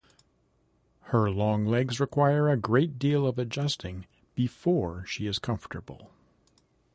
Her long legs require a great deal of adjusting before she is comfortable.